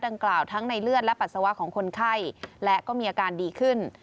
ดังกล่าวทั้งในเลือดและปัสสาวะของคนไข้และก็มีอาการดีขึ้น